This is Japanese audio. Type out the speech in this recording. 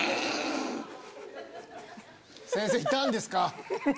先生いたんですか？